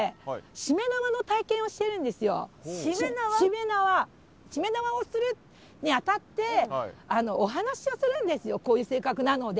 しめ縄をするにあたってお話をするんですよこういう性格なので。